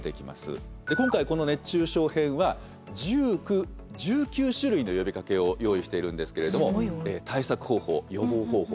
今回この「熱中症編」は１９１９種類の呼びかけを用意しているんですけれども対策方法・予防方法